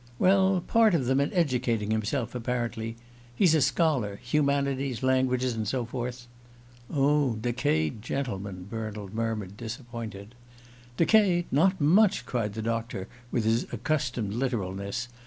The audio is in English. "Well part of them in educating himself, apparently. He's a scholar humanities, languages, and so forth." "Oh decayed gentleman," Bernald murmured, disappointed. "Decayed? Not much!" cried the doctor with his accustomed literalness.